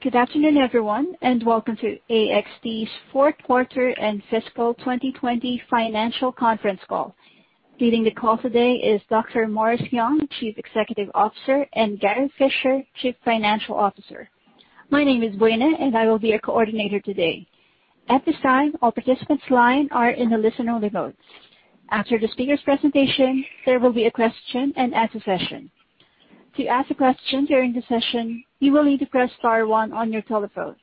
Good afternoon, everyone, and welcome to AXT's fourth quarter and fiscal 2020 financial conference call. Leading the call today is Dr. Morris Young, Chief Executive Officer, and Gary Fischer, Chief Financial Officer. My name is Buena, and I will be your coordinator today. At this time, all participants' lines are in a listen-only mode. After the speakers' presentation, there will be a question and answer session. To ask a question during the session, you will need to press star one on your telephone.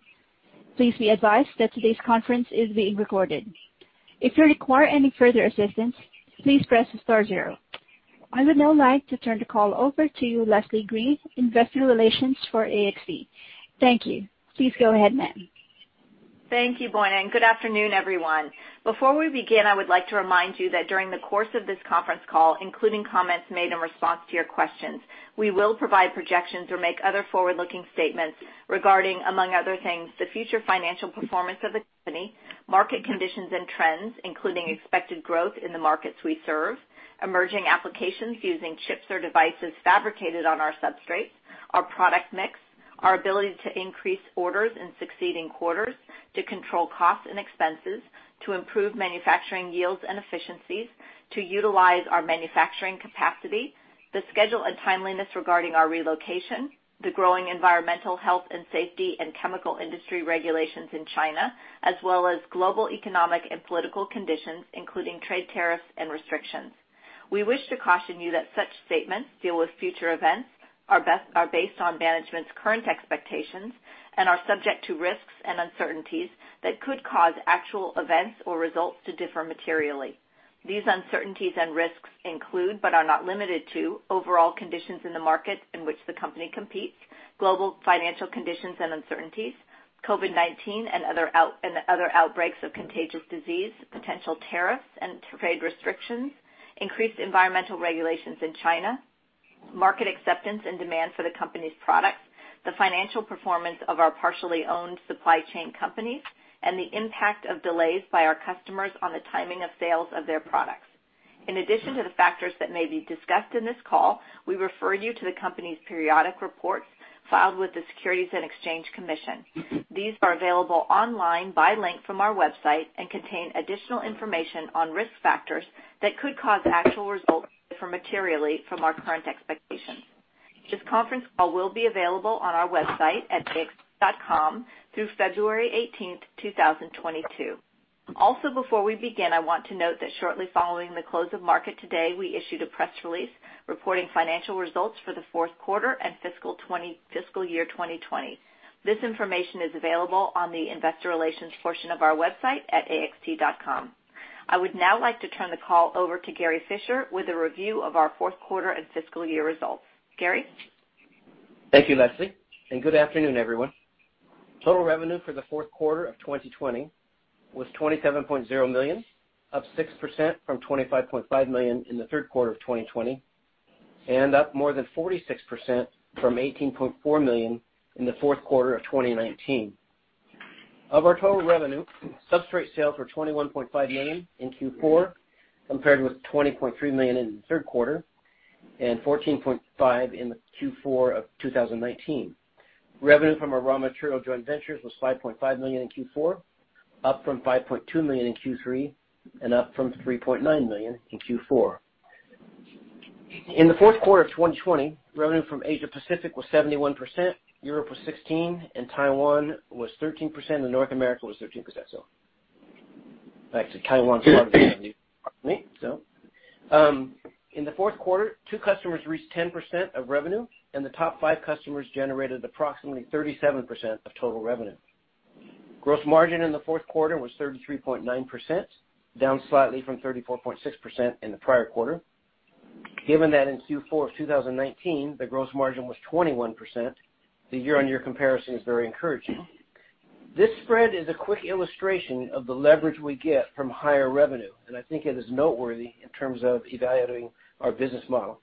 Please be advised that today's conference is being recorded. If you require any further assistance, please press star zero. I would now like to turn the call over to you, Leslie Green, Investor Relations for AXT. Thank you. Please go ahead, ma'am. Thank you, Buena, and good afternoon, everyone. Before we begin, I would like to remind you that during the course of this conference call, including comments made in response to your questions, we will provide projections or make other forward-looking statements regarding, among other things, the future financial performance of the company, market conditions and trends, including expected growth in the markets we serve, emerging applications using chips or devices fabricated on our substrates, our product mix, our ability to increase orders in succeeding quarters, to control costs and expenses, to improve manufacturing yields and efficiencies, to utilize our manufacturing capacity, the schedule and timeliness regarding our relocation, the growing environmental health and safety, and chemical industry regulations in China, as well as global economic and political conditions, including trade tariffs and restrictions. We wish to caution you that such statements deal with future events, are based on management's current expectations, and are subject to risks and uncertainties that could cause actual events or results to differ materially. These uncertainties and risks include, but are not limited to, overall conditions in the market in which the company competes, global financial conditions and uncertainties, COVID-19 and other outbreaks of contagious disease, potential tariffs and trade restrictions, increased environmental regulations in China, market acceptance and demand for the company's products, the financial performance of our partially owned supply chain companies, and the impact of delays by our customers on the timing of sales of their products. In addition to the factors that may be discussed in this call, we refer you to the company's periodic reports filed with the Securities and Exchange Commission. These are available online by link from our website and contain additional information on risk factors that could cause actual results to differ materially from our current expectations. This conference call will be available on our website at axt.com through February 18th, 2022. Before we begin, I want to note that shortly following the close of market today, we issued a press release reporting financial results for the fourth quarter and fiscal year 2020. This information is available on the investor relations portion of our website at axt.com. I would now like to turn the call over to Gary Fischer with a review of our fourth quarter and fiscal year results. Gary? Thank you, Leslie, and good afternoon, everyone. Total revenue for the fourth quarter of 2020 was $27.0 million, up 6% from $25.5 million in the third quarter of 2020, and up more than 46% from $18.4 million in the fourth quarter of 2019. Of our total revenue, substrate sales were $21.5 million in Q4, compared with $20.3 million in the third quarter and $14.5 in the Q4 of 2019. Revenue from our raw material joint ventures was $5.5 million in Q4, up from $5.2 million in Q3, and up from $3.9 million in Q4. In the fourth quarter of 2020, revenue from Asia Pacific was 71%, Europe was 16%, and Taiwan was 13%, and North America was 13%. Actually, Taiwan is part of me. In the fourth quarter, two customers reached 10% of revenue, and the top five customers generated approximately 37% of total revenue. Gross margin in the fourth quarter was 33.9%, down slightly from 34.6% in the prior quarter. Given that in Q4 of 2019, the gross margin was 21%, the year-on-year comparison is very encouraging. This spread is a quick illustration of the leverage we get from higher revenue. I think it is noteworthy in terms of evaluating our business model.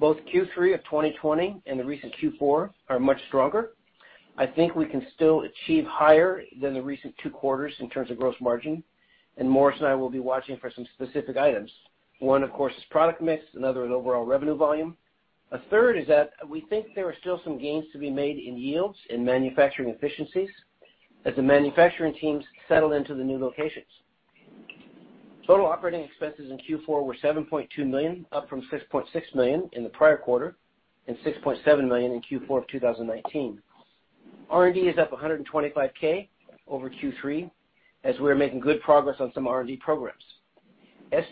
Both Q3 of 2020 and the recent Q4 are much stronger. I think we can still achieve higher than the recent two quarters in terms of gross margin. Morris and I will be watching for some specific items. One, of course, is product mix, another is overall revenue volume. A third is that we think there are still some gains to be made in yields in manufacturing efficiencies as the manufacturing teams settle into the new locations. Total operating expenses in Q4 were $7.2 million, up from $6.6 million in the prior quarter and $6.7 million in Q4 of 2019. R&D is up $125,000 over Q3, as we are making good progress on some R&D programs.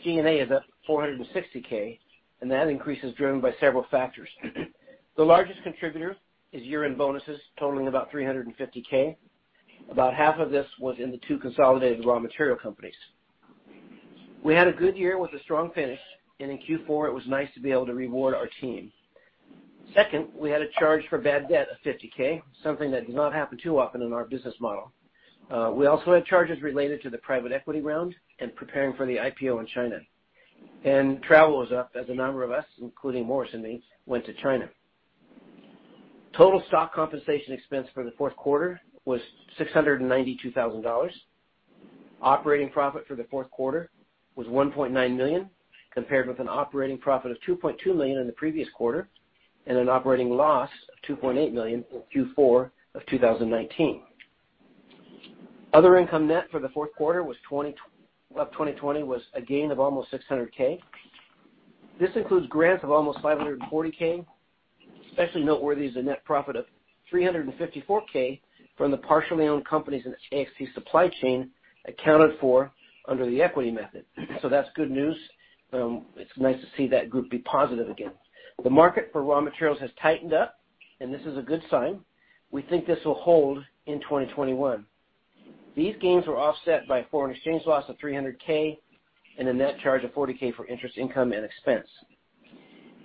SG&A is up $460,000, and that increase is driven by several factors. The largest contributor is year-end bonuses totaling about $350,000. About half of this was in the two consolidated raw material companies. We had a good year with a strong finish, and in Q4, it was nice to be able to reward our team. Second, we had a charge for bad debt of $50,000 something that does not happen too often in our business model. We also had charges related to the private equity round and preparing for the IPO in China. Travel was up as a number of us, including Morris and me, went to China. Total stock compensation expense for the fourth quarter was $692,000. Operating profit for the fourth quarter was $1.9 million, compared with an operating profit of $2.2 million in the previous quarter, and an operating loss of $2.8 million in Q4 of 2019. Other income net for the fourth quarter of 2020 was a gain of almost $600,000. This includes grants of almost $540,000. Especially noteworthy is the net profit of $354,000 from the partially owned companies in AXT's supply chain accounted for under the equity method. That's good news. It's nice to see that group be positive again. The market for raw materials has tightened up, and this is a good sign. We think this will hold in 2021. These gains were offset by a foreign exchange loss of $300,000 and a net charge of $40,000 for interest income and expense.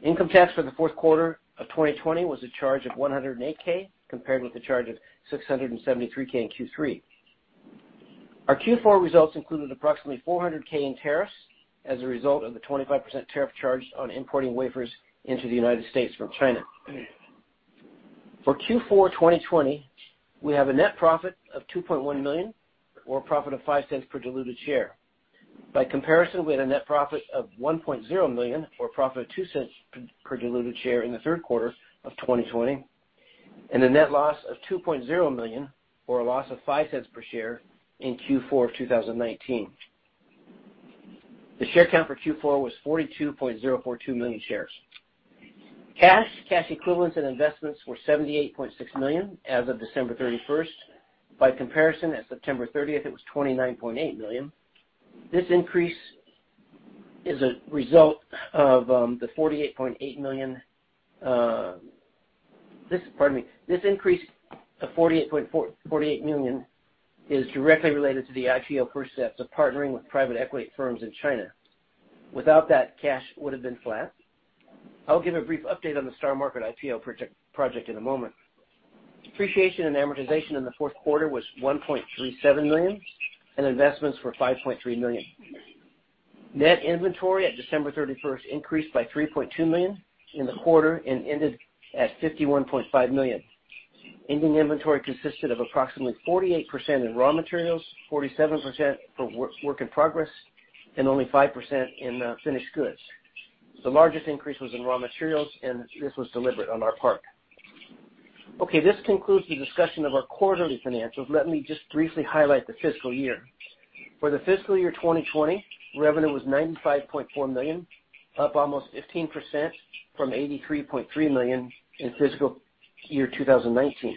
Income tax for the fourth quarter of 2020 was a charge of $108,000, compared with the charge of $673,000 in Q3. Our Q4 results included approximately $400,000 in tariffs as a result of the 25% tariff charge on importing wafers into the United States from China. For Q4 2020, we have a net profit of $2.1 million or a profit of $0.05 per diluted share. By comparison, we had a net profit of $1.0 million or a profit of $0.02 per diluted share in the third quarter of 2020, and a net loss of $2.0 million or a loss of $0.05 per share in Q4 of 2019. The share count for Q4 was 42.042 million shares. Cash, cash equivalents, and investments were $78.6 million as of December 31st. By comparison, at September 30th, it was $29.8 million. This increase is a result of the $48.8 million. Pardon me. This increase of $48.48 million is directly related to the IPO proceeds of partnering with private equity firms in China. Without that, cash would've been flat. I'll give a brief update on the STAR Market IPO project in a moment. Depreciation and amortization in the fourth quarter was $1.37 million, and investments were $5.3 million. Net inventory at December 31st increased by $3.2 million in the quarter and ended at $51.5 million. Ending inventory consisted of approximately 48% in raw materials, 47% for work in progress, and only 5% in finished goods. The largest increase was in raw materials, and this was deliberate on our part. Okay. This concludes the discussion of our quarterly financials. Let me just briefly highlight the fiscal year. For the fiscal year 2020, revenue was $95.4 million, up almost 15% from $83.3 million in fiscal year 2019.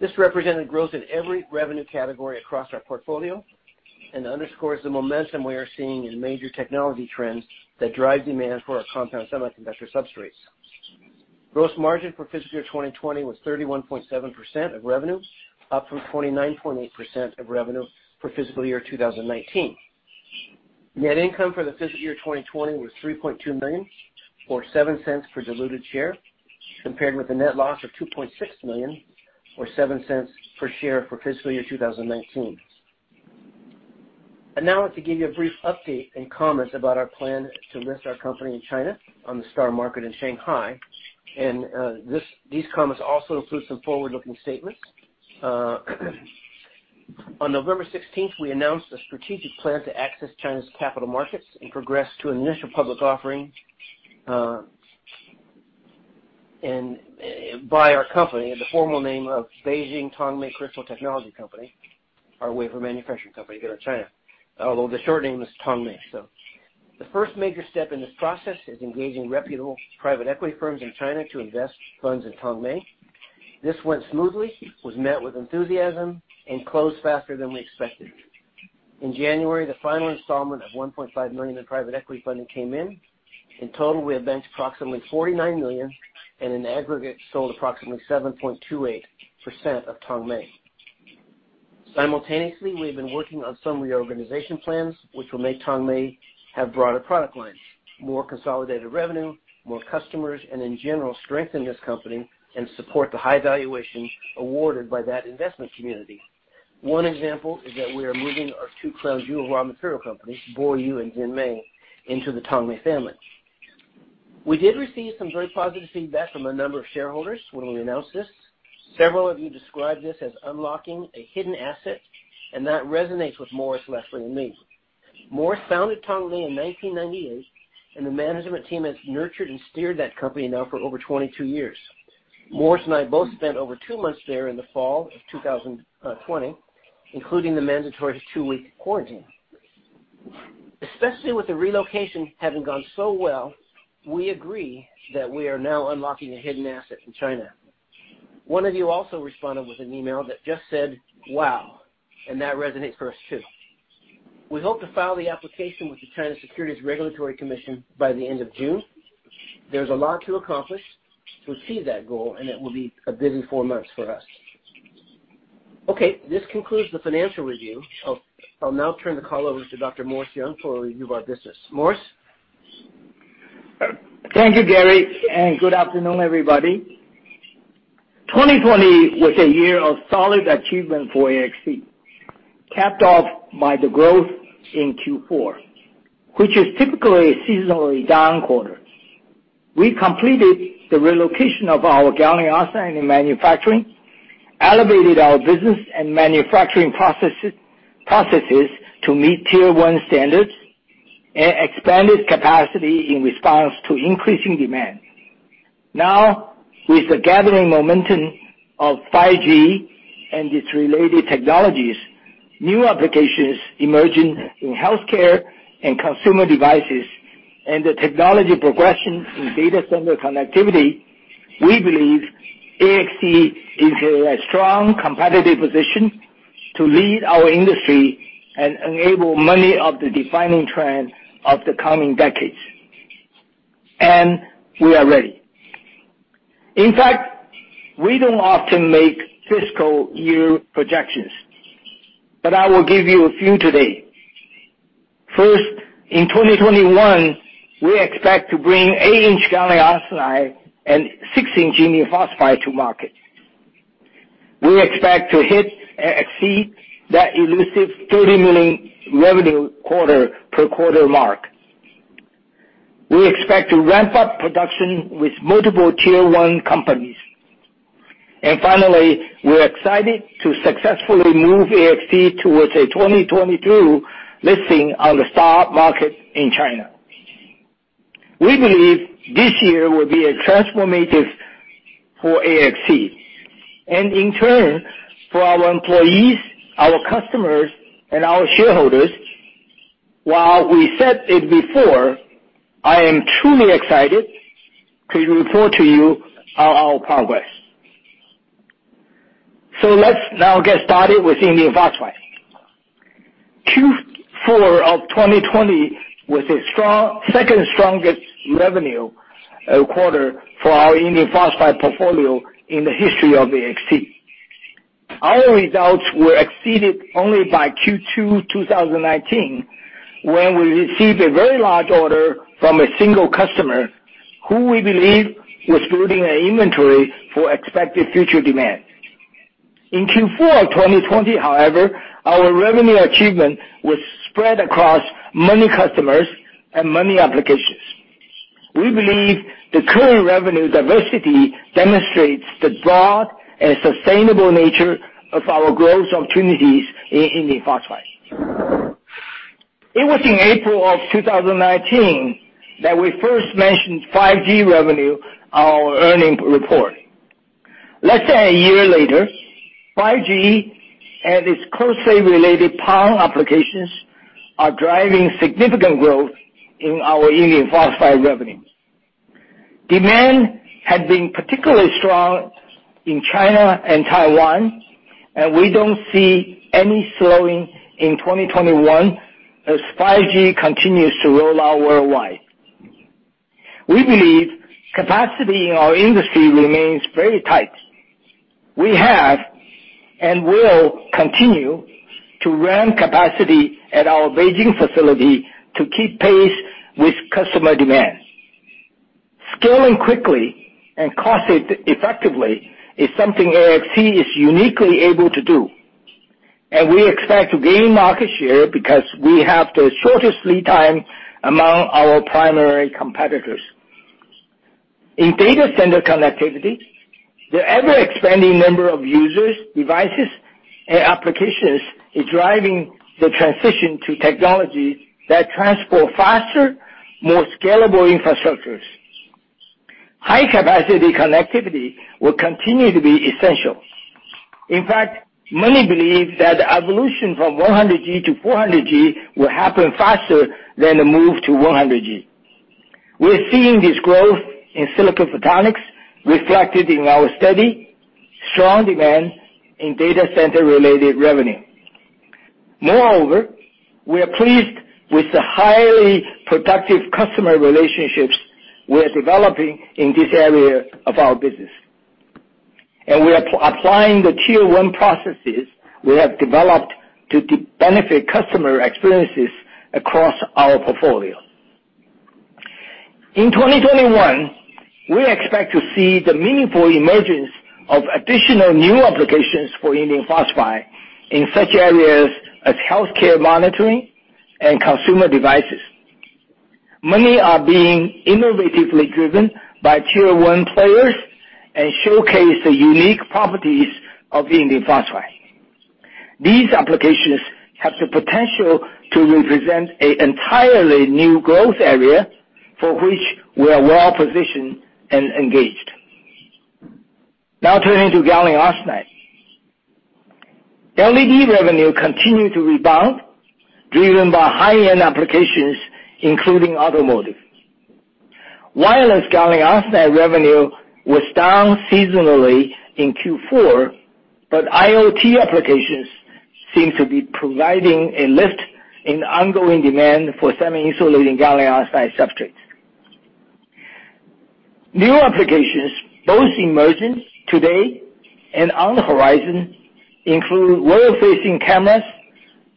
This represented growth in every revenue category across our portfolio and underscores the momentum we are seeing in major technology trends that drive demand for our compound semiconductor substrates. Gross margin for fiscal year 2020 was 31.7% of revenue, up from 29.8% of revenue for fiscal year 2019. Net income for the fiscal year 2020 was $3.2 million or $0.07 per diluted share, compared with a net loss of $2.6 million or $0.07 per share for fiscal year 2019. I'd now like to give you a brief update and comments about our plan to list our company in China on the STAR Market in Shanghai. These comments also include some forward-looking statements. On November 16th, we announced a strategic plan to access China's capital markets and progress to an initial public offering by our company, the formal name of Beijing Tongmei Xtal Technology Company, our wafer manufacturing company here in China. Although the short name is Tongmei. The first major step in this process is engaging reputable private equity firms in China to invest funds in Tongmei. This went smoothly, was met with enthusiasm, and closed faster than we expected. In January, the final installment of $1.5 million in private equity funding came in. In total, we have raised approximately $49 million, and in aggregate, sold approximately 7.28% of Tongmei. Simultaneously, we have been working on some reorganization plans which will make Tongmei have broader product lines, more consolidated revenue, more customers, and in general, strengthen this company and support the high valuation awarded by that investment community. One example is that we are moving our two crown jewel raw material companies, BoYu and JinMei, into the Tongmei family. We did receive some very positive feedback from a number of shareholders when we announced this. Several of you described this as unlocking a hidden asset, and that resonates with Morris, Leslie, and me. Morris founded Tongmei in 1998, and the management team has nurtured and steered that company now for over 22 years. Morris and I both spent over two months there in the fall of 2020, including the mandatory two-week quarantine. Especially with the relocation having gone so well, we agree that we are now unlocking a hidden asset in China. One of you also responded with an email that just said, "Wow." That resonates for us, too. We hope to file the application with the China Securities Regulatory Commission by the end of June. There's a lot to accomplish to achieve that goal, and it will be a busy four months for us. Okay, this concludes the financial review. I'll now turn the call over to Dr. Morris Young for a review of our business. Morris? Thank you, Gary. Good afternoon, everybody. 2020 was a year of solid achievement for AXT, capped off by the growth in Q4, which is typically a seasonally down quarter. We completed the relocation of our gallium arsenide and manufacturing, elevated our business and manufacturing processes to meet Tier 1 standards, and expanded capacity in response to increasing demand. With the gathering momentum of 5G and its related technologies, new applications emerging in healthcare and consumer devices, and the technology progression in data center connectivity, we believe AXT is in a strong competitive position to lead our industry and enable many of the defining trends of the coming decades. We are ready. In fact, we don't often make fiscal year projections, but I will give you a few today. First, in 2021, we expect to bring 8 in gallium arsenide and 6 in indium phosphide to market. We expect to hit and exceed that elusive $30 million revenue quarter-per-quarter mark. We expect to ramp up production with multiple Tier 1 companies. Finally, we're excited to successfully move AXT towards a 2022 listing on the stock market in China. We believe this year will be transformative for AXT and in turn for our employees, our customers, and our shareholders. While we said it before, I am truly excited to report to you on our progress. Let's now get started with indium phosphide. Q4 of 2020 was the second strongest revenue quarter for our indium phosphide portfolio in the history of AXT. Our results were exceeded only by Q2 2019, when we received a very large order from a single customer who we believe was building an inventory for expected future demand. In Q4 of 2020, however, our revenue achievement was spread across many customers and many applications. We believe the current revenue diversity demonstrates the broad and sustainable nature of our growth opportunities in indium phosphide. It was in April of 2019 that we first mentioned 5G revenue on our earnings report. Less than a year later, 5G and its closely related power applications are driving significant growth in our indium phosphide revenues. Demand had been particularly strong in China and Taiwan, and we don't see any slowing in 2021 as 5G continues to roll out worldwide. We believe capacity in our industry remains very tight. We have, and will continue, to ramp capacity at our Beijing facility to keep pace with customer demand. Scaling quickly and cost effectively is something AXT is uniquely able to do, and we expect to gain market share because we have the shortest lead time among our primary competitors. In data center connectivity, the ever-expanding number of users, devices, and applications is driving the transition to technology that transport faster, more scalable infrastructures. High-capacity connectivity will continue to be essential. In fact, many believe that the evolution from 100G-400G will happen faster than the move to 100G. We're seeing this growth in silicon photonics reflected in our steady, strong demand in data center-related revenue. Moreover, we are pleased with the highly productive customer relationships we are developing in this area of our business. We are applying the Tier 1 processes we have developed to benefit customer experiences across our portfolio. In 2021, we expect to see the meaningful emergence of additional new applications for indium phosphide in such areas as healthcare monitoring and consumer devices. Many are being innovatively driven by Tier 1 players and showcase the unique properties of indium phosphide. These applications have the potential to represent an entirely new growth area for which we are well positioned and engaged. Turning to gallium arsenide. LED revenue continued to rebound, driven by high-end applications, including automotive. Wireless gallium arsenide revenue was down seasonally in Q4. IoT applications seem to be providing a lift in ongoing demand for semi-insulating gallium arsenide substrates. New applications, both emerging today and on the horizon, include world-facing cameras,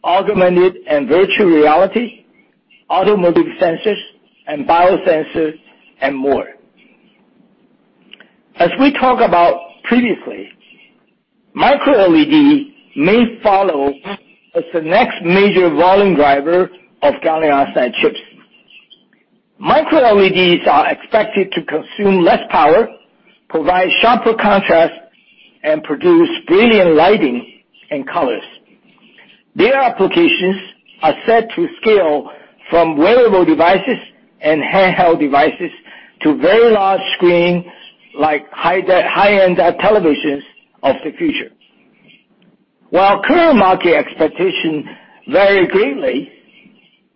augmented and virtual reality, automotive sensors and biosensors, and more. As we talked about previously, MicroLED may follow as the next major volume driver of gallium arsenide chips. MicroLEDs are expected to consume less power, provide sharper contrast, and produce brilliant lighting and colors. Their applications are set to scale from wearable devices and handheld devices to very large screen, like high-end televisions of the future. While current market expectations vary greatly,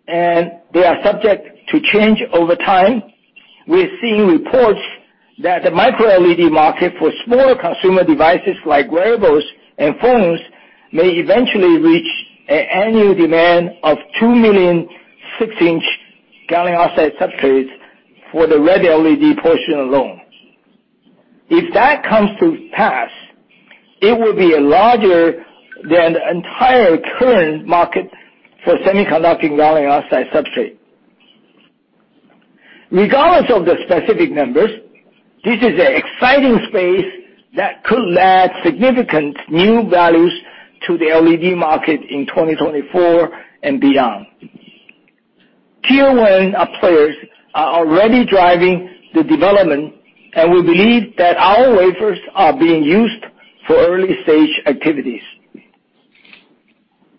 and they are subject to change over time, we're seeing reports that the MicroLED market for smaller consumer devices like wearables and phones may eventually reach an annual demand of 2 million 6 in gallium arsenide substrates for the red LED portion alone. If that comes to pass, it will be larger than the entire current market for semiconducting gallium arsenide substrate. Regardless of the specific numbers, this is an exciting space that could add significant new values to the LED market in 2024 and beyond. Tier 1 players are already driving the development. We believe that our wafers are being used for early stage activities.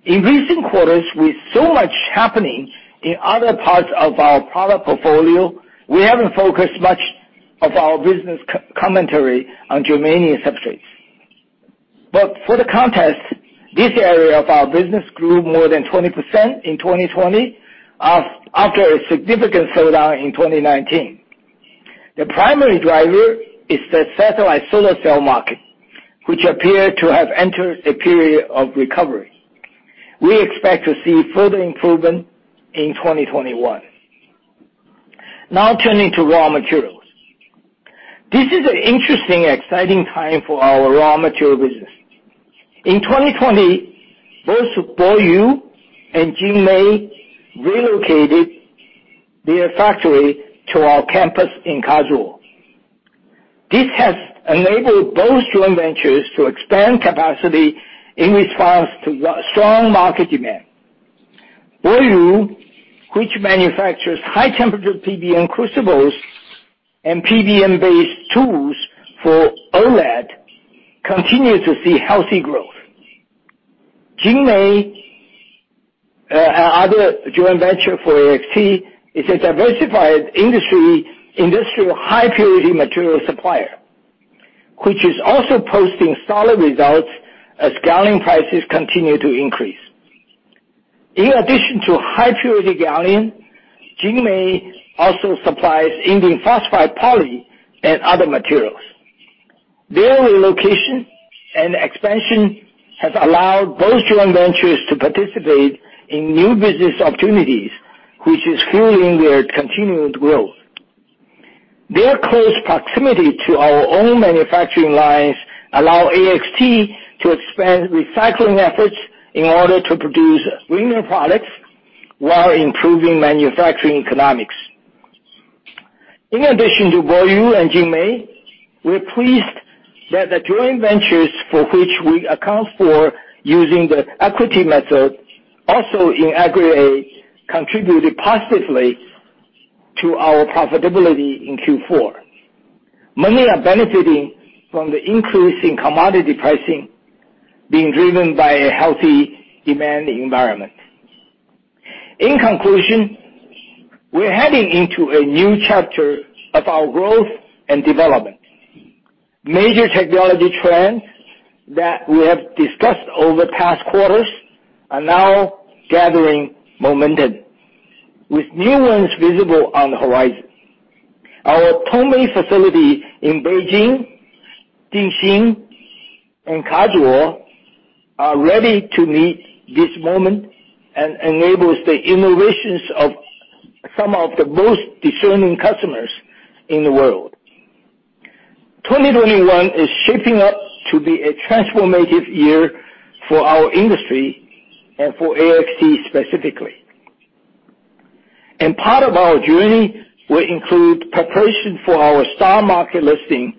In recent quarters, with so much happening in other parts of our product portfolio, we haven't focused much of our business commentary on germanium substrates. For the contest, this area of our business grew more than 20% in 2020 after a significant slowdown in 2019. The primary driver is the satellite solar cell market, which appeared to have entered a period of recovery. We expect to see further improvement in 2021. Turning to raw materials. This is an interesting and exciting time for our raw material business. In 2020, both BoYu and JinMei relocated their factory to our campus in Kazuo. This has enabled both joint ventures to expand capacity in response to strong market demand. BoYu, which manufactures high-temperature PBN crucibles and PBN-based tools for OLED, continue to see healthy growth. JinMei, our other joint venture for AXT, is a diversified industrial high-purity material supplier, which is also posting solid results as gallium prices continue to increase. In addition to high-purity gallium, JinMei also supplies polycrystalline indium phosphide and other materials. Their relocation and expansion has allowed both joint ventures to participate in new business opportunities, which is fueling their continued growth. Their close proximity to our own manufacturing lines allow AXT to expand recycling efforts in order to produce greener products while improving manufacturing economics. In addition to BoYu and JinMei, we are pleased that the joint ventures for which we account for using the equity method also in aggregate contributed positively to our profitability in Q4. Many are benefiting from the increase in commodity pricing being driven by a healthy demand environment. In conclusion, we're heading into a new chapter of our growth and development. Major technology trends that we have discussed over past quarters are now gathering momentum, with new ones visible on the horizon. Our Tongmei facility in Beijing, Dingxing, and Kazuo are ready to meet this moment and enables the innovations of some of the most discerning customers in the world. 2021 is shaping up to be a transformative year for our industry and for AXT specifically. Part of our journey will include preparation for our stock market listing,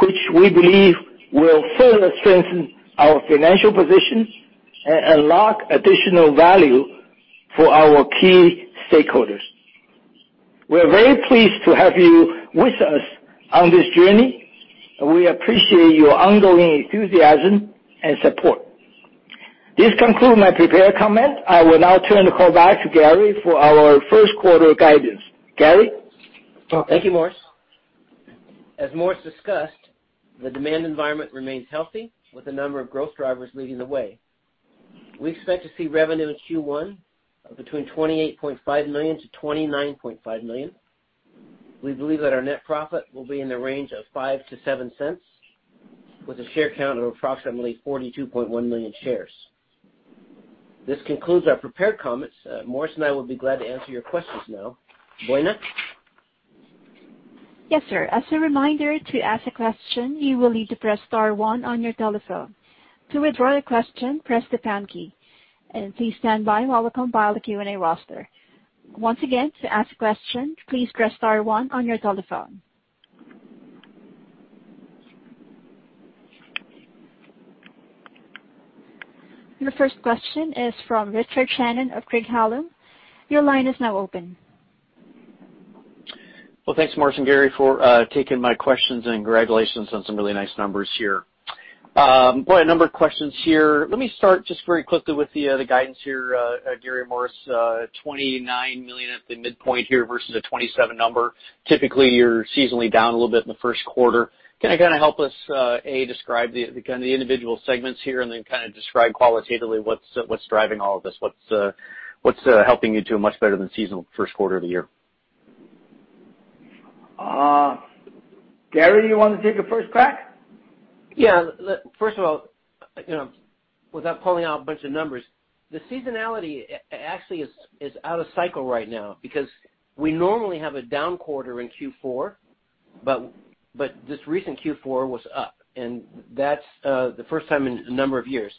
which we believe will further strengthen our financial position and unlock additional value for our key stakeholders. We are very pleased to have you with us on this journey, and we appreciate your ongoing enthusiasm and support. This concludes my prepared comments. I will now turn the call back to Gary for our first quarter guidance. Gary? Thank you, Morris. As Morris discussed, the demand environment remains healthy, with a number of growth drivers leading the way. We expect to see revenue in Q1 of between $28.5 million-$29.5 million. We believe that our net profit will be in the range of $0.05-$0.07, with a share count of approximately 42.1 million shares. This concludes our prepared comments. Morris and I will be glad to answer your questions now. Buena? Yes, Sir. As a reminder, to ask a question, you will need to press star one on your telephone. To withdraw your question, press the pound key. Please stand by while we compile the Q&A roster. Once again, to ask a question, please press star one on your telephone. The first question is from Richard Shannon of Craig-Hallum. Your line is now open. Thanks Morris and Gary for taking my questions and congratulations on some really nice numbers here. Boy, a number of questions here. Let me start just very quickly with the guidance here, Gary and Morris, $29 million at the midpoint here versus a $27 million number. Typically, you're seasonally down a little bit in the first quarter. Can you kind of help us, A, describe the individual segments here, and then describe qualitatively what's driving all of this, what's helping you do much better than seasonal first quarter of the year? Gary, you want to take a first crack? Yeah. First of all, without pulling out a bunch of numbers, the seasonality actually is out of cycle right now because we normally have a down quarter in Q4, but this recent Q4 was up, and that's the first time in a number of years.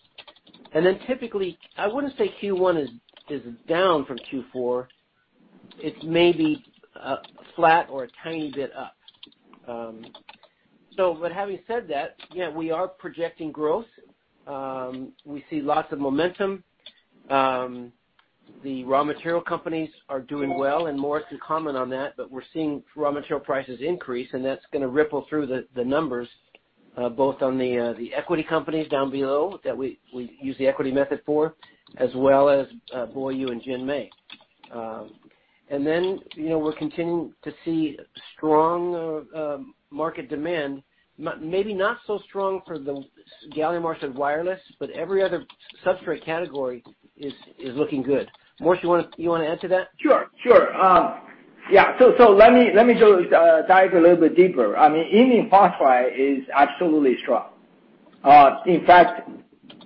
Typically, I wouldn't say Q1 is down from Q4. It's maybe flat or a tiny bit up. Having said that, yeah, we are projecting growth. We see lots of momentum. The raw material companies are doing well, and Morris can comment on that, but we're seeing raw material prices increase, and that's going to ripple through the numbers both on the equity companies down below that we use the equity method for, as well as BoYu and JinMei. We're continuing to see strong market demand, maybe not so strong for the gallium arsenide wireless, but every other substrate category is looking good. Morris, you want to add to that? Sure. Yeah, let me go dive a little bit deeper. I mean, indium phosphide is absolutely strong. In fact,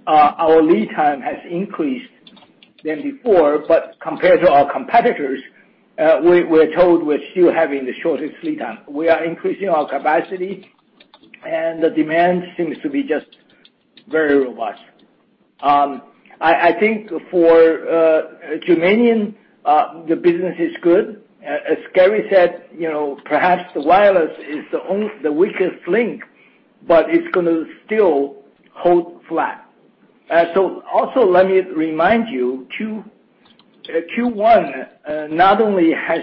our lead time has increased than before, compared to our competitors, we're told we're still having the shortest lead time. We are increasing our capacity, the demand seems to be just very robust. I think for germanium, the business is good. As Gary said, perhaps the wireless is the weakest link, it's going to still hold flat. Also, let me remind you, Q1 not only has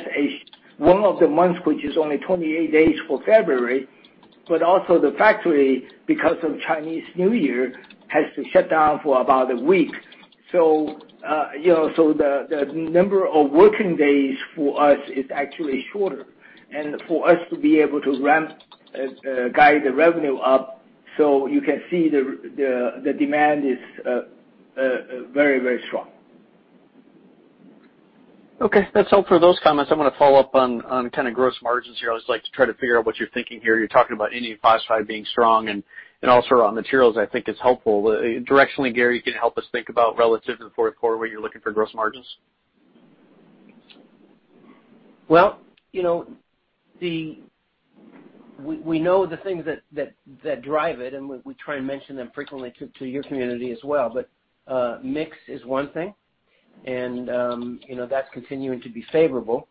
one of the months, which is only 28 days for February, but also the factory, because of Chinese New Year, has to shut down for about a week. The number of working days for us is actually shorter, for us to be able to ramp, guide the revenue up, you can see the demand is very strong. That's all for those comments. I want to follow up on kind of gross margins here. I always like to try to figure out what you're thinking here. You're talking about indium phosphide being strong and also raw materials, I think is helpful. Directionally, Gary, you can help us think about relative to the fourth quarter, what you're looking for gross margins. Well, we know the things that drive it, and we try and mention them frequently to your community as well. Mix is one thing, and that's continuing to be favorable.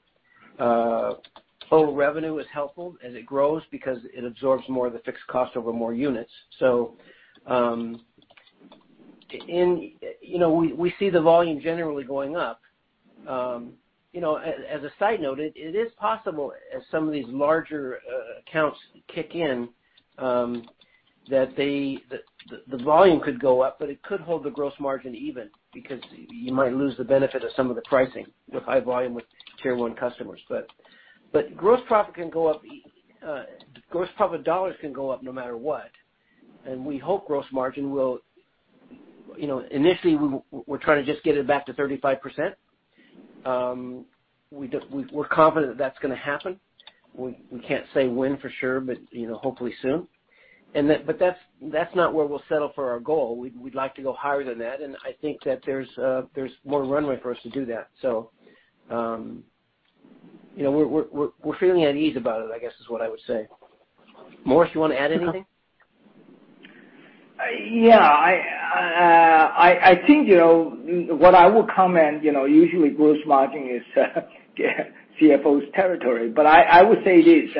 Total revenue is helpful as it grows because it absorbs more of the fixed cost over more units. We see the volume generally going up. As a side note, it is possible as some of these larger accounts kick in, that the volume could go up, but it could hold the gross margin even because you might lose the benefit of some of the pricing with high volume with Tier 1 customers. Gross profit dollars can go up no matter what. We hope gross margin initially, we're trying to just get it back to 35%. We're confident that's going to happen. We can't say when for sure, but hopefully soon. That's not where we'll settle for our goal. We'd like to go higher than that, and I think that there's more runway for us to do that. We're feeling at ease about it, I guess, is what I would say. Morris, you want to add anything? Yeah. I think what I would comment, usually gross margin is CFO's territory, but I would say this,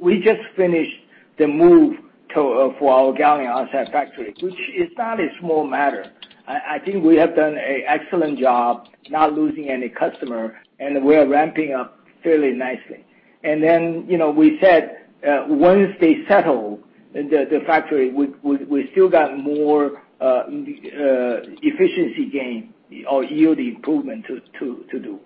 we just finished the move for our gallium arsenide factory, which is not a small matter. I think we have done an excellent job not losing any customer, we are ramping up fairly nicely. We said once they settle the factory, we still got more efficiency gain or yield improvement to do.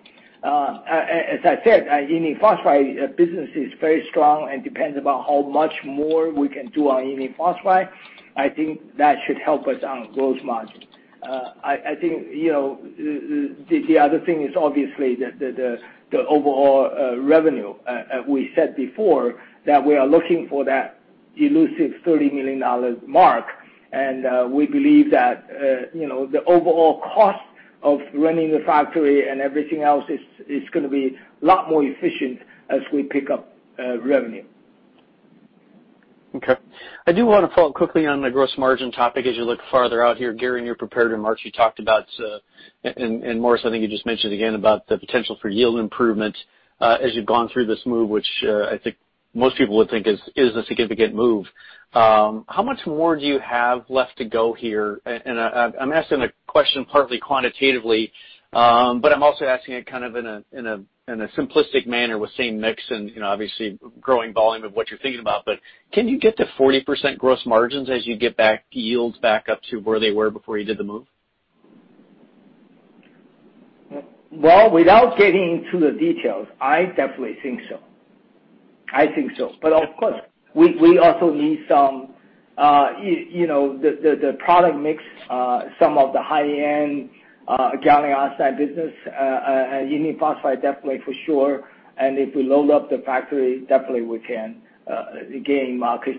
As I said, our indium phosphide business is very strong and depends about how much more we can do on indium phosphide. I think that should help us on gross margin. I think the other thing is obviously the overall revenue. We said before that we are looking for that elusive $30 million mark. We believe that the overall cost of running the factory and everything else is going to be a lot more efficient as we pick up revenue. Okay. I do want to follow up quickly on the gross margin topic as you look farther out here. Gary, in your prepared remarks, you talked about. Morris, I think you just mentioned again about the potential for yield improvement, as you've gone through this move, which I think most people would think is a significant move. How much more do you have left to go here? I'm asking the question partly quantitatively, but I'm also asking it kind of in a simplistic manner with same mix and obviously growing volume of what you're thinking about. Can you get to 40% gross margins as you get back yields back up to where they were before you did the move? Without getting into the details, I definitely think so. I think so. Of course, we also need the product mix, some of the high-end gallium arsenide business, and indium phosphide definitely for sure. If we load up the factory, definitely we can gain market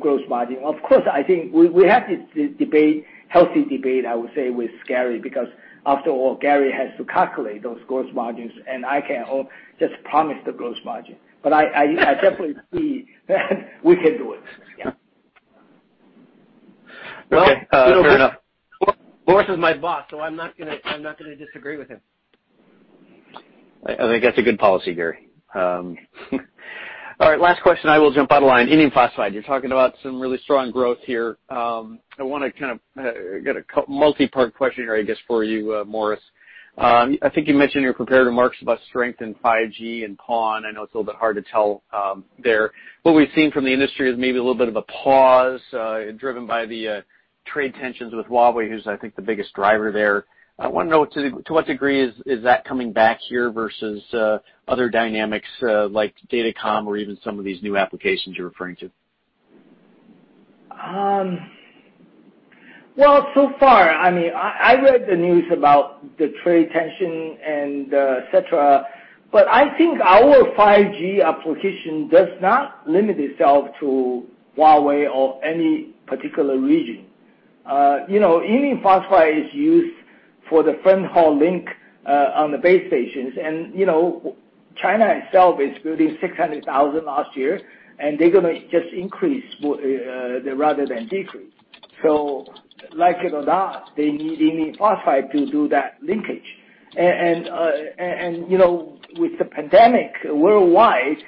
gross margin. Of course, I think we have to debate, healthy debate, I would say, with Gary, because after all, Gary has to calculate those gross margins, and I can't all just promise the gross margin. I definitely see we can do it. Yeah. Okay. Fair enough. Morris is my boss, so I'm not going to disagree with him. I think that's a good policy, Gary. All right, last question. I will jump out of line. Indium phosphide. You're talking about some really strong growth here. I want to kind of get a multi-part question, I guess, for you, Morris. I think you mentioned in your prepared remarks about strength in 5G and PON. I know it's a little bit hard to tell there. What we've seen from the industry is maybe a little bit of a pause, driven by the trade tensions with Huawei, who's I think the biggest driver there. I want to know to what degree is that coming back here versus other dynamics like Datacom or even some of these new applications you're referring to? Well, so far, I read the news about the trade tension et cetera, but I think our 5G application does not limit itself to Huawei or any particular region. Indium phosphide is used for the fronthaul link on the base stations. China itself is building 600,000 last year, and they're going to just increase rather than decrease. Like it or not, they need indium phosphide to do that linkage. With the pandemic worldwide,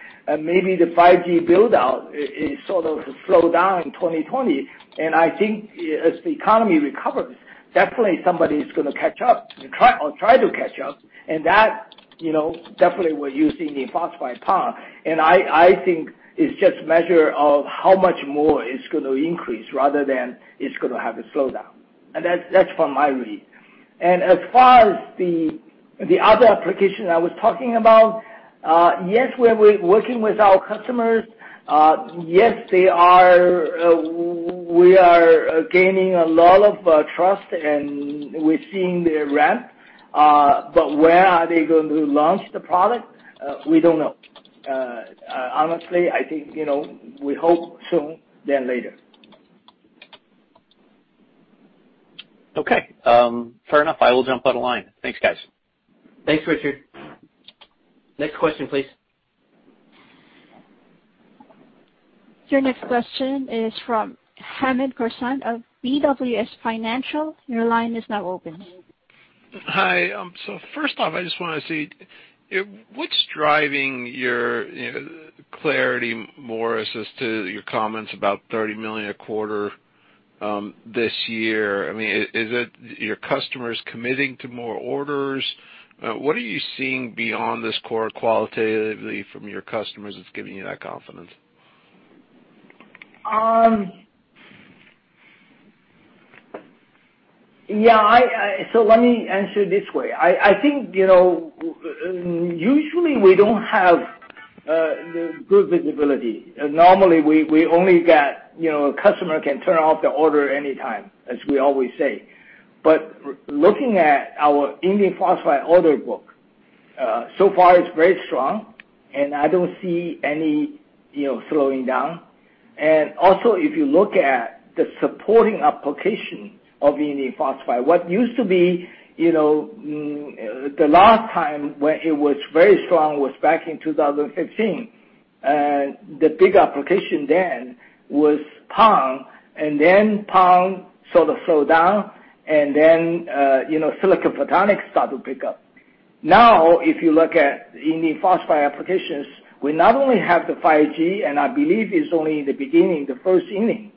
maybe the 5G build-out is sort of slowed down in 2020. I think as the economy recovers, definitely somebody's going to catch up or try to catch up. That definitely will use the indium phosphide PON. I think it's just measure of how much more it's going to increase rather than it's going to have a slowdown. That's from my read. As far as the other application I was talking about, yes, we're working with our customers. Yes, we are gaining a lot of trust, and we're seeing their ramp. When are they going to launch the product? We don't know. Honestly, I think, we hope soon than later. Okay. Fair enough. I will jump out of line. Thanks, guys. Thanks, Richard. Next question, please. Your next question is from Hamed Khorsand of BWS Financial. Your line is now open. Hi. First off, I just want to see what's driving your clarity, Morris, as to your comments about $30 million a quarter this year. Is it your customers committing to more orders? What are you seeing beyond this core qualitatively from your customers that's giving you that confidence? Yeah. Let me answer this way. I think, usually we don't have good visibility. Normally, a customer can turn off the order anytime, as we always say. Looking at our indium phosphide order book, so far it's very strong and I don't see any slowing down. Also, if you look at the supporting application of indium phosphide, what used to be the last time when it was very strong was back in 2015. The big application then was PON, and then PON sort of slowed down, and then silicon photonics started to pick up. If you look at indium phosphide applications, we not only have the 5G, and I believe it's only the beginning, the first inning.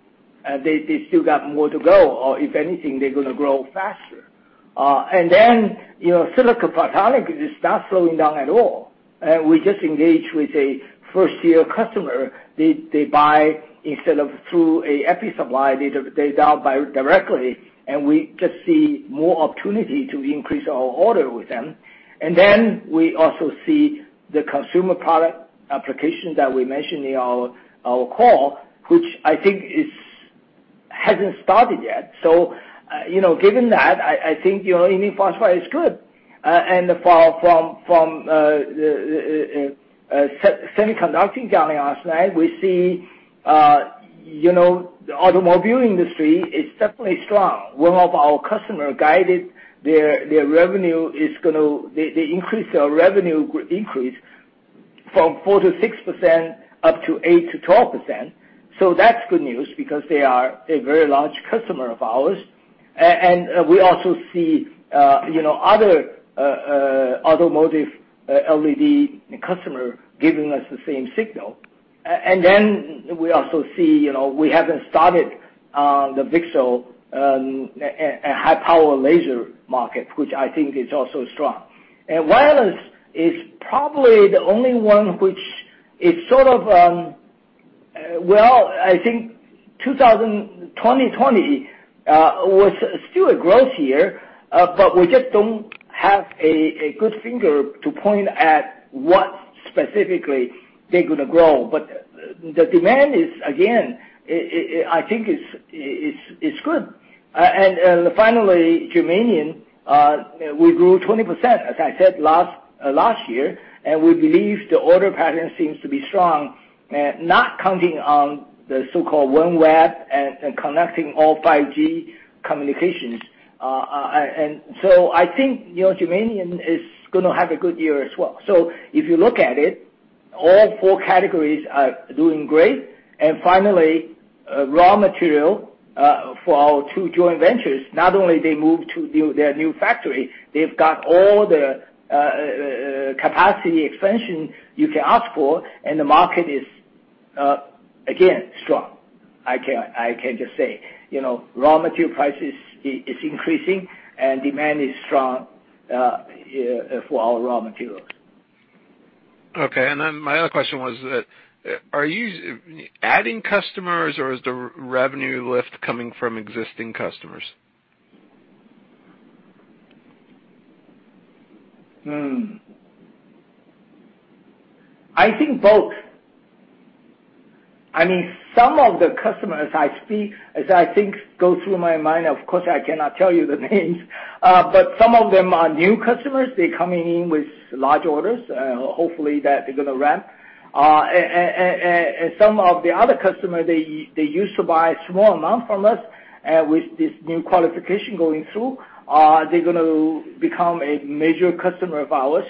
They still got more to go, or if anything, they're going to grow faster. Silicon photonics is not slowing down at all. We just engaged with a first-tier customer. They buy instead of through an epi supplier, they now buy directly. We just see more opportunity to increase our order with them. We also see the consumer product application that we mentioned in our call, which I think hasn't started yet. Given that, I think indium phosphide is good. From the semiconductor gallium arsenide, we see the automobile industry is definitely strong. One of our customer guided their revenue increased from 4%-6% up to 8%-12%. That's good news because they are a very large customer of ours. We also see other automotive LED customer giving us the same signal. We also see, we haven't started the VCSEL and high power laser market, which I think is also strong. Wireless is probably the only one which is sort of, well, I think 2020 was still a growth year, but we just don't have a good finger to point at what specifically they're going to grow. The demand is, again, I think it's good. Finally, germanium, we grew 20%, as I said, last year. We believe the order pattern seems to be strong, not counting on the so-called OneWeb and connecting all 5G communications. I think germanium is going to have a good year as well. If you look at it, all four categories are doing great. Finally, raw material, for our two joint ventures, not only they moved to their new factory, they've got all the capacity expansion you can ask for, and the market is, again, strong. I can just say. Raw material prices are increasing and demand is strong for our raw materials. Okay. My other question was that, are you adding customers or is the revenue lift coming from existing customers? I think both. Some of the customers I speak, of course, I cannot tell you the names, but some of them are new customers. They coming in with large orders, hopefully that they're gonna ramp. Some of the other customer, they used to buy small amount from us, with this new qualification going through, they're going to become a major customer of ours.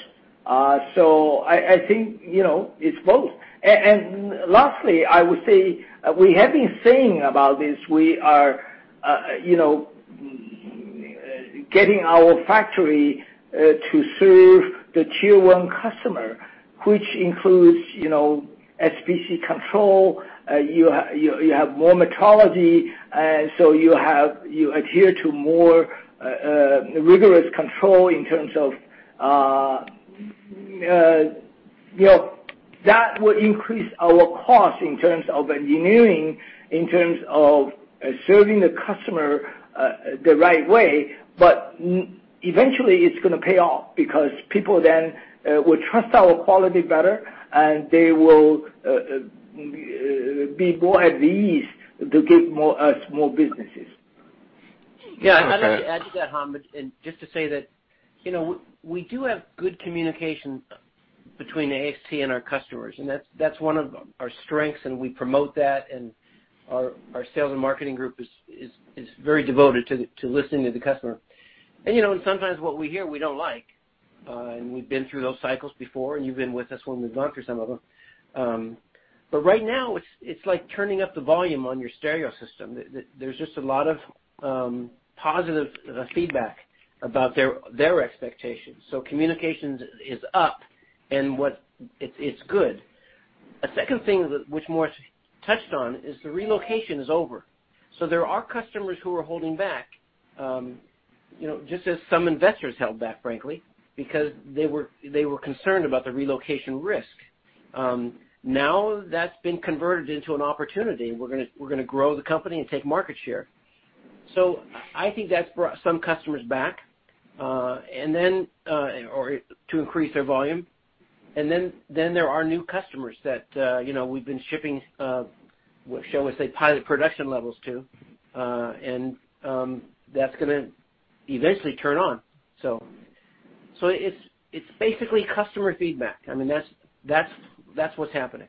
I think, it's both. Lastly, I would say, we have been saying about this, we are getting our factory to serve the Tier 1 customer, which includes SPC control. You have more metrology, so you adhere to more rigorous control. That will increase our cost in terms of engineering, in terms of serving the customer the right way. Eventually it's going to pay off because people then will trust our quality better, and they will be more at ease to give us more businesses. Okay. Yeah. If I may add to that, Hamed, just to say that we do have good communication between AXT and our customers, that's one of our strengths and we promote that, our sales and marketing group is very devoted to listening to the customer. Sometimes what we hear, we don't like, we've been through those cycles before, you've been with us when we've gone through some of them. Right now it's like turning up the volume on your stereo system. There's just a lot of positive feedback about their expectations. Communications is up, and it's good. A second thing that which Morris touched on is the relocation is over. There are customers who are holding back, just as some investors held back, frankly, because they were concerned about the relocation risk. That's been converted into an opportunity, and we're going to grow the company and take market share. I think that's brought some customers back to increase their volume. Then there are new customers that we've been shipping, shall we say, pilot production levels to, and that's going to eventually turn on. It's basically customer feedback. That's what's happening.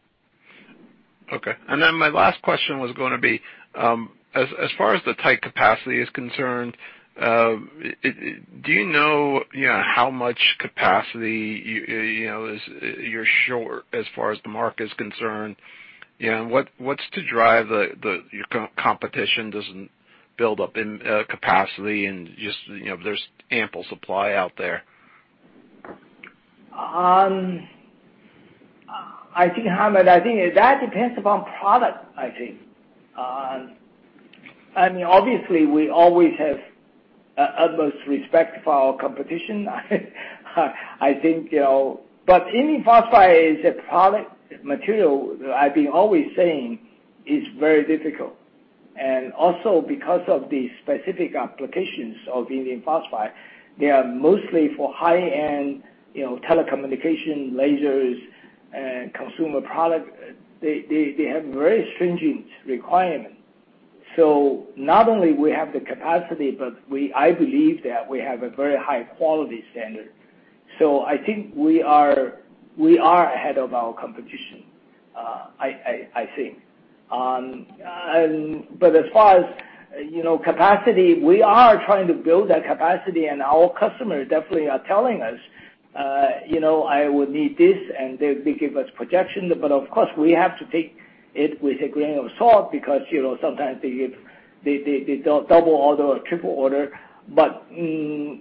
Okay. My last question was going to be, as far as the tight capacity is concerned, do you know how much capacity you're short as far as the market is concerned, and what's to drive your competition doesn't build up in capacity and just there's ample supply out there? I think, Hamed, that depends upon product, I think. Obviously we always have utmost respect for our competition. Indium phosphide is a product material that I've been always saying is very difficult. Also because of the specific applications of the indium phosphide, they are mostly for high-end telecommunication lasers and consumer product. They have very stringent requirement. Not only we have the capacity, but I believe that we have a very high quality standard. I think we are ahead of our competition. I see. As far as capacity, we are trying to build that capacity, and our customers definitely are telling us, "I would need this," and they give us projections. Of course, we have to take it with a grain of salt because sometimes they double order or triple order. We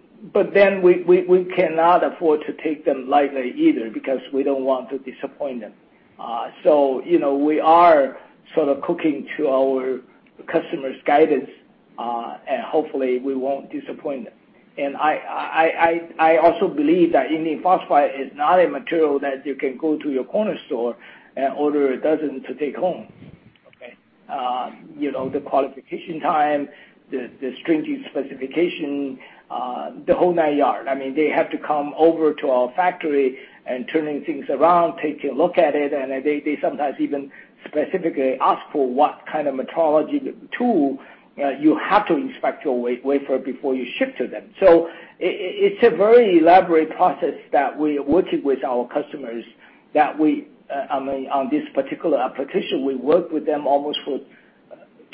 cannot afford to take them lightly either because we don't want to disappoint them. We are sort of cooking to our customers' guidance, and hopefully we won't disappoint them. I also believe that indium phosphide is not a material that you can go to your corner store and order a dozen to take home. Okay. The qualification time, the stringent specification, the whole 9 yards. They have to come over to our factory and turning things around, taking a look at it, and they sometimes even specifically ask for what kind of metrology tool you have to inspect your wafer before you ship to them. It's a very elaborate process that we worked with our customers. On this particular application, we worked with them almost for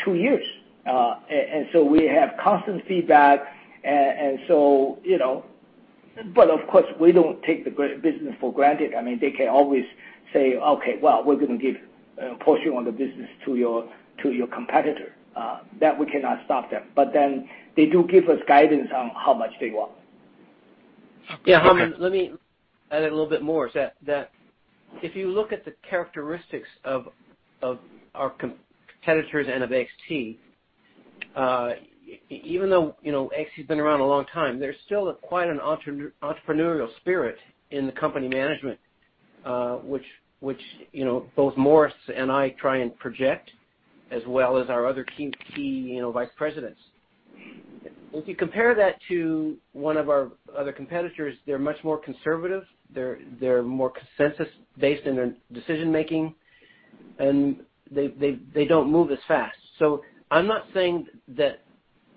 two years. We have constant feedback. Of course, we don't take the business for granted. They can always say, "Okay, well, we're going to give a portion of the business to your competitor." That we cannot stop them. They do give us guidance on how much they want. Yeah, Hamed, let me add a little bit more. Is that if you look at the characteristics of our competitors and of AXT, even though AXT's been around a long time, there's still quite an entrepreneurial spirit in the company management, which both Morris and I try and project, as well as our other key Vice Presidents. If you compare that to one of our other competitors, they're much more conservative. They're more consensus-based in their decision-making, and they don't move as fast. I'm not saying that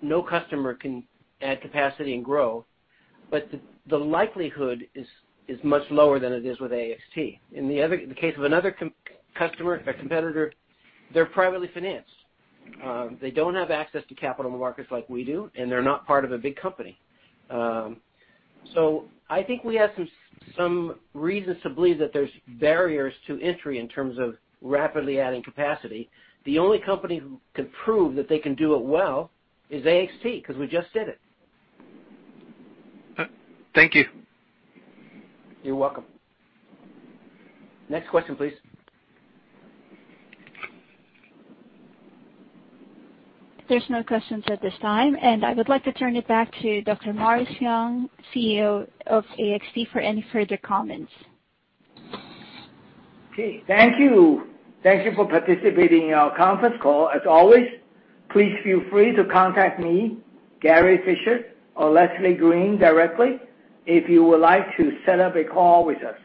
no customer can add capacity and grow, but the likelihood is much lower than it is with AXT. In the case of another customer, a competitor, they're privately financed. They don't have access to capital markets like we do, and they're not part of a big company. I think we have some reasons to believe that there's barriers to entry in terms of rapidly adding capacity. The only company who can prove that they can do it well is AXT, because we just did it. Thank you. You're welcome. Next question, please. There's no questions at this time. I would like to turn it back to Dr. Morris Young, CEO of AXT, for any further comments. Okay. Thank you. Thank you for participating in our conference call. As always, please feel free to contact me, Gary Fischer, or Leslie Green directly if you would like to set up a call with us.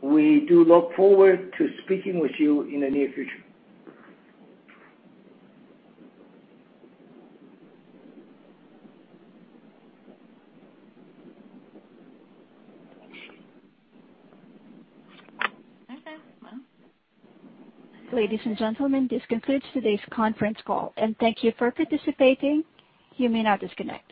We do look forward to speaking with you in the near future. Ladies and gentlemen, this concludes today's conference call, and thank you for participating. You may now disconnect.